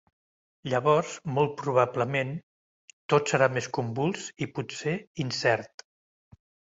Llavors, molt probablement, tot serà més convuls i, potser, incert.